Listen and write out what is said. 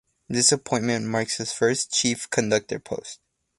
This appointment marks her first chief conductor post.